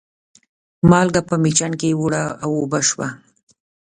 مالګه په مېچن کې اوړه و اوبه شوه.